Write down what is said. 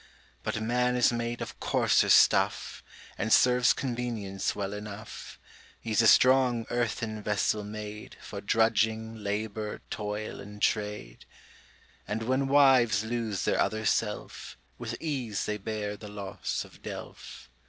But Man is made of coarser stuff, And serves convenience well enough; He's a strong earthen vessel made, For drudging, labour, toil, and trade; And when wives lose their other self, With ease they bear the loss of Delf.